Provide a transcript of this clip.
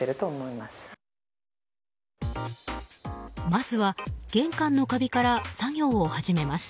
まずは玄関のカビから作業を始めます。